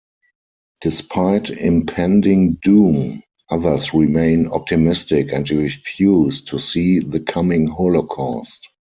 Despite impending doom, others remain optimistic and refuse to see the coming Holocaust.